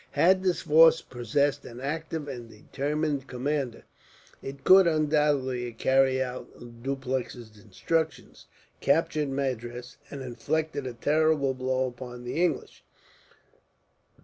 Had this force possessed an active and determined commander, it could undoubtedly have carried out Dupleix's instructions, captured Madras, and inflicted a terrible blow upon the English.